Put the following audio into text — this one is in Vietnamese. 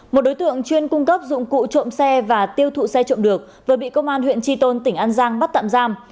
một đối tượng chuyên cung cấp dụng cụ trộm xe và tiêu thụ xe trộm được vừa bị công an huyện tri tôn tỉnh an giang bắt tạm giam